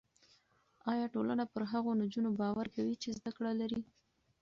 ایا ټولنه پر هغو نجونو باور کوي چې زده کړه لري؟